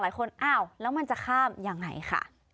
หลายคนอ้าวแล้วมันจะข้ามอย่างไรคะ